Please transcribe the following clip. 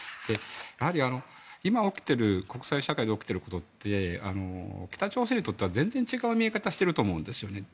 やはり、今起きている国際社会で起きていることって北朝鮮にとっては全然違う見え方をしていると思うんです。